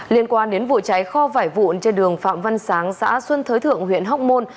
liên quan đến vụ cháy kho vải vụn trên đường phạm văn sáng xã xuân thới thượng huyện hóc môn